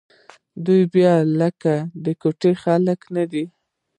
خو دوى بيا لکه د کوټې خلق نه دي.